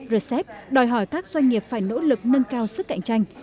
rcep đòi hỏi các doanh nghiệp phải nỗ lực nâng cao sức cạnh tranh